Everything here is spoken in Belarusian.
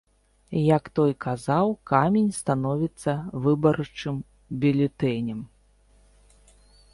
Як той казаў, камень становіцца выбарчым бюлетэнем.